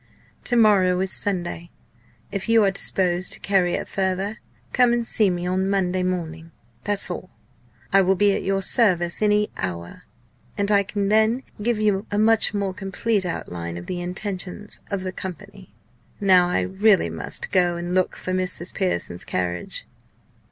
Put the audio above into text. To morrow is Sunday. If you are disposed to carry it further, come and see me Monday morning that's all. I will be at your service at any hour, and I can then give you a much more complete outline of the intentions of the Company. Now I really must go and look for Mrs. Pearson's carriage."